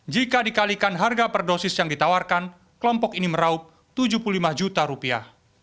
jika dikalikan harga per dosis yang ditawarkan kelompok ini meraup tujuh puluh lima juta rupiah